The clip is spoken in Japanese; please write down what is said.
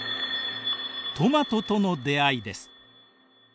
トマトとの出会いです。